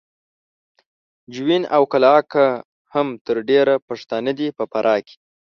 جوین او قلعه کا هم تر ډېره پښتانه دي په فراه کې